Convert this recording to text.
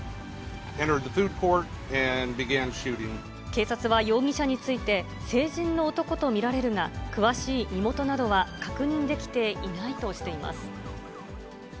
警察は、容疑者について、成人の男と見られるが、詳しい身元などは確認できていないとしています。